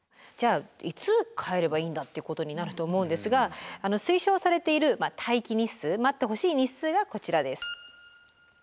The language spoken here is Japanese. じゃあいつ帰ればいいんだっていうことになると思うんですが推奨されている待機日数待ってほしい日数がこちらです。